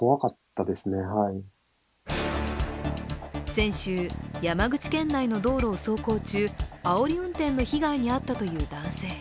先週、山口県内の道路を走行中、あおり運転の被害に遭ったという男性。